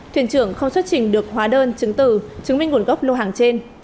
thuyền trường không xuất trình được hóa đơn chứng tử chứng minh nguồn gốc lô hàng trên